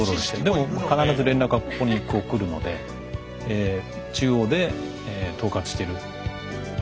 でも連絡は必ずここに来るので中央で統括してる。